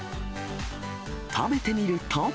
食べてみると。